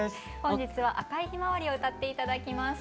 本日は「赤いひまわり」を歌って頂きます。